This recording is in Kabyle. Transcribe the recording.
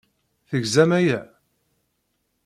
Tegzam aya?